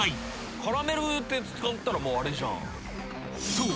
［そう。